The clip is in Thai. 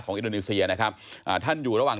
อินโดนีเซียนะครับอ่าท่านอยู่ระหว่าง